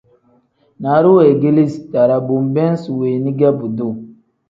Naaru weegeleezi too-ro bo nbeem isi weeni ge buduu.